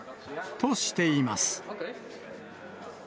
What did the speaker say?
としています。